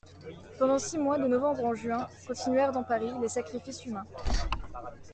Pendant six mois, de novembre en juin, continuèrent dans Paris les sacrifices humains.